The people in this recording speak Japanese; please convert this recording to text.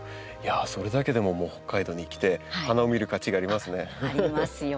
それだけでももう北海道に来て花を見る価値がありますね。ありますよ。